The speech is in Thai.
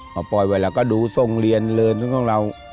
พอปล่อยไว้แล้วก็ดูทรงเรียนเลินทรงเรา